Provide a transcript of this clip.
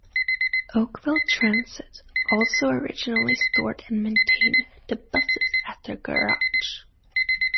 Oakville Transit also originally stored and maintained the buses at their garage.